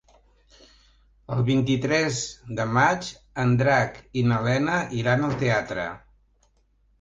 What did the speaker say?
El vint-i-tres de maig en Drac i na Lena iran al teatre.